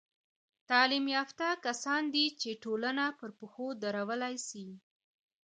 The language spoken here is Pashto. تعلیم یافته کسان دي، چي ټولنه پر پښو درولاى سي.